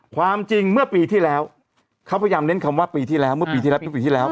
ความจริงเมื่อปีที่แล้วเขาพยายามเน้นคำว่าปีที่แล้วเมื่อปีที่แล้วเมื่อปีที่แล้ว